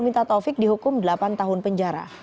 tentu saja taufik dihukum delapan tahun penjara